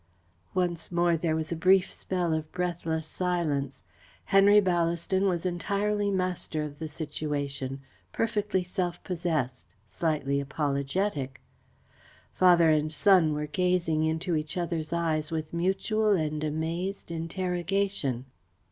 Once more there was a brief spell of breathless silence. Henry Ballaston was entirely master of the situation, perfectly self possessed, slightly apologetic. Father and son were gazing into each other's eyes with mutual and amazed interrogation.